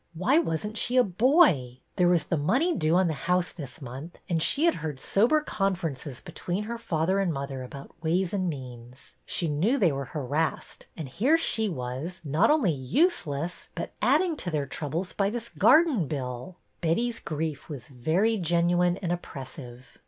Why was n't she a boy? There was the money due on the house this month, and she had heard sober conferences between her father and mother about ways and means. She knew they were harassed, and here she was, not only useless, but adding to their troubles by this garden bill. Betty's grief was very genuine and oppressive.